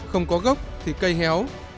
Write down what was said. không có gốc thì cây héo